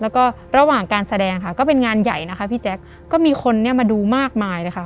แล้วก็ระหว่างการแสดงค่ะก็เป็นงานใหญ่นะคะพี่แจ๊คก็มีคนเนี่ยมาดูมากมายเลยค่ะ